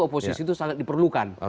oposisi itu sangat diperlukan